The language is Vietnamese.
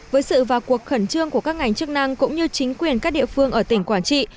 với sự vào cuộc khẩn trương của các ngành chức năng cũng như chính quyền các địa phương ở tỉnh quảng trị